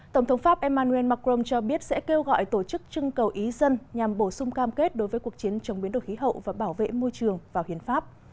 tổng thống pháp emmanuel macron cho biết sẽ kêu gọi tổ chức trưng cầu ý dân nhằm bổ sung cam kết đối với cuộc chiến chống biến đổi khí hậu và bảo vệ môi trường vào hiến pháp